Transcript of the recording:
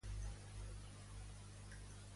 Quin tipus de feminisme defensava María Luisa?